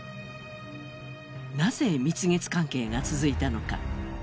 なぜ、蜜月関係が続いたのか。